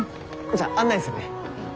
じゃあ案内するね。